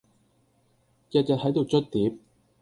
日日喺度捽碟